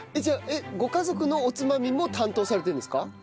じゃあご家族のおつまみも担当されてるんですか？